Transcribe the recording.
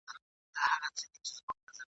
په یوه کتاب څوک نه ملا کېږي !.